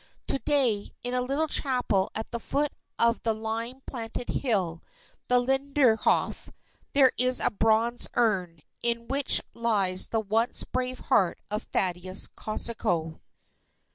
To day, in a little chapel at the foot of the lime planted Hill, the Lindenhof, there is a bronze urn, in which lies the once brave heart of Thaddeus Kosciuszko.